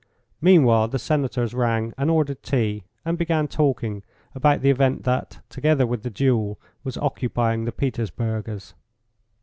Meanwhile the Senators rang and ordered tea, and began talking about the event that, together with the duel, was occupying the Petersburgers.